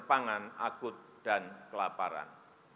pangan akut dan kelaparan